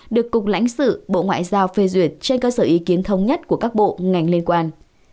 được cục lãnh sự bộ ngoại giao phê duyệt trên cơ sở ý kiến thông nhất của các bộ ngành liên quan